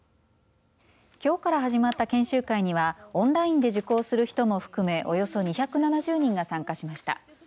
きょうから始まった研修会にはオンラインで受講する人も含めおよそ２７０人が参加しました。